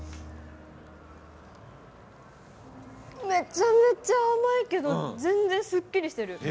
めちゃめちゃ甘いけど、全然すっきりしてる。